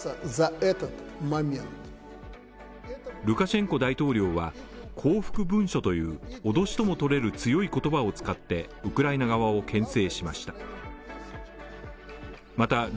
ルカシェンコ大統領は降伏文書という脅しともとれる強い言葉を使って、ウクライナ側をけん制しました。